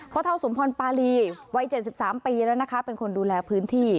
เท่าสมพรปารีวัย๗๓ปีแล้วนะคะเป็นคนดูแลพื้นที่